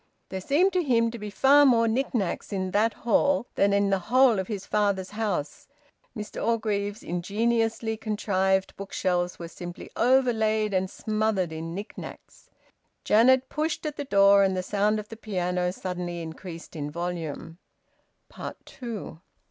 There seemed to him to be far more knick knacks in that hall than in the whole of his father's house; Mr Orgreave's ingeniously contrived bookshelves were simply overlaid and smothered in knick knacks. Janet pushed at the door, and the sound of the piano suddenly increased in volume. TWO.